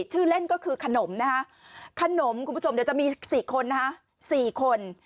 ชื่อเล่นก็คือขนมนะฮะขนมคุณผู้ชมเดี๋ยวจะมี๔คนนะฮะ๔คน